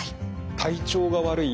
体調が悪い